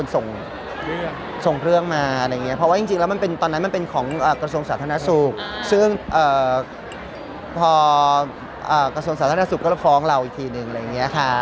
ซึ่งพอกระทรวงศาลท่านทรัศุกรฟ้องเราอีกทีหนึ่ง